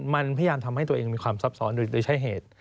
มันพยายามทำให้ตัวเองมีความซับซ้อนโดยใช้เหตุ